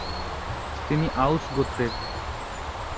তিনি আউস গোত্রের।